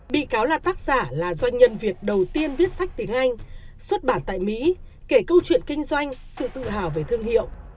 bị cáo là tác giả là doanh nhân việt đầu tiên viết sách tiếng anh xuất bản tại mỹ kể câu chuyện kinh doanh sự tự hào về thương hiệu